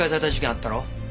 あったろ？